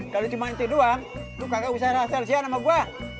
kalau cuma itu doang lo kagak usah rahasia sama gue